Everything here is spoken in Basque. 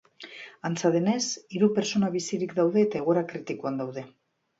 Antza denez, hiru pertsona bizirik daude eta egoera kritikoan daude.